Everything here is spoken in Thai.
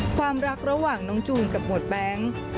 ความรักระหว่างน้องจูนกับหมวดแบงค์